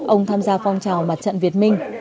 ông tham gia phong trào mặt trận việt minh